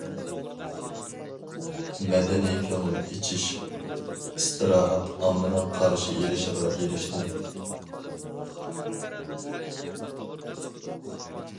مەدەنىي كۆڭۈل ئېچىش، ئىستىراھەت ئاممىنىڭ قارشى ئېلىشىغا ئېرىشتى.